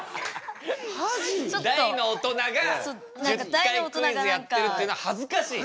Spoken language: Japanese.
大の大人が１０回クイズやってるっていうのは恥ずかしい？